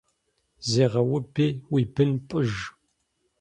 Зегъэуби уи бын пӏыж.